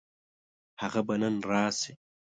هغه به نن راشي.